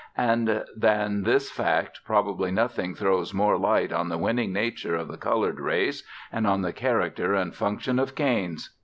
And than this fact probably nothing throws more light on the winning nature of the coloured race, and on the character and function of canes.